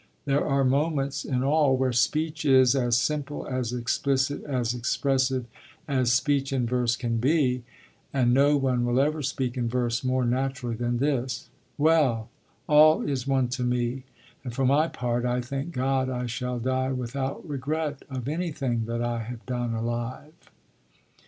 There are moments, in all, where speech is as simple, as explicit, as expressive as speech in verse can be; and no one will ever speak in verse more naturally than this: Well, all is one to me: and for my part I thank God I shall die without regret Of anything that I have done alive.